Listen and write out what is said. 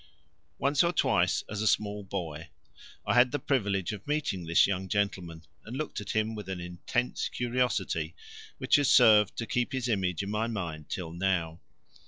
Once or twice as a small boy I had the privilege of meeting this young gentleman and looked at him with an intense curiosity which has served to keep his image in my mind till now.